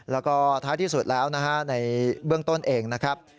แล้วก็ท้ายที่สุดแล้วนะฮะในเบื้องต้นเองนะครับ